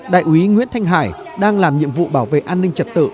đại úy nguyễn thanh hải đang làm nhiệm vụ bảo vệ an ninh trật tự